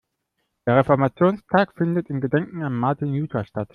Der Reformationstag findet in Gedenken an Martin Luther statt.